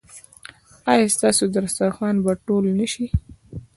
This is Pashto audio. ایا ستاسو دسترخوان به ټول نه شي؟